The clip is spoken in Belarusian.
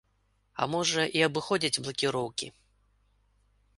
А можна і абыходзіць блакіроўкі.